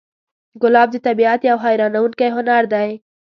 ګلاب د طبیعت یو حیرانوونکی هنر دی.